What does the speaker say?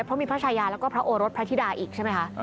เพราะมีพระชายาแล้วก็พระโอรสพระธิดาอีกใช่ไหมคะ